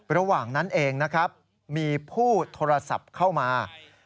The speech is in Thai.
ระหว่างนั้นเองนะครับมีผู้โทรศัพท์เข้ามา